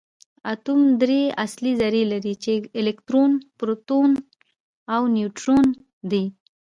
اتوم درې اصلي ذرې لري چې الکترون پروټون او نیوټرون دي